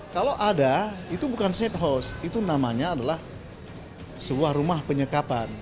kalau ada itu bukan safe house itu namanya adalah sebuah rumah penyekapan